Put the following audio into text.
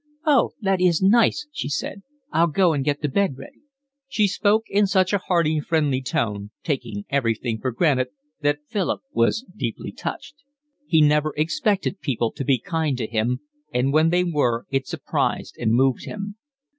"Oh, that is nice," she said. "I'll go and get the bed ready." She spoke in such a hearty, friendly tone, taking everything for granted, that Philip was deeply touched. He never expected people to be kind to him, and when they were it surprised and moved him.